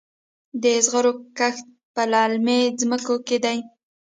د زغرو کښت په للمي ځمکو کې دی.